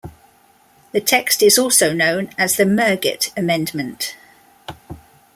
This text is also known as the Mirguet amendment.